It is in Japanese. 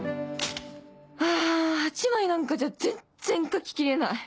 あぁ８枚なんかじゃ全っ然書き切れない！